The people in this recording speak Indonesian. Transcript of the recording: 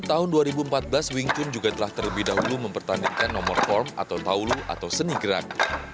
tahun dua ribu empat belas wing tun juga telah terlebih dahulu mempertandingkan nomor form atau taulu atau seni gerak